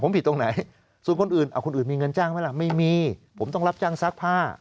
ผมผิดตรงไหนส่วนคนอื่นคนอื่นมีเงินจ้างไหมล่ะไม่มีผมต้องรับจ้างซักผ้า